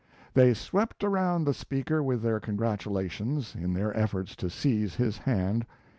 They swept around the speaker with their congratulations, in their efforts to seize his hand.